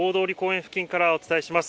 付近からお伝えします。